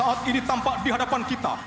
saat ini tampak di hadapan kita